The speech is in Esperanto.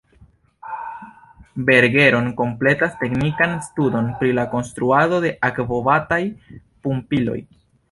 Bergeron kompletan teknikan studon pri la konstruado de akvobataj pumpiloj.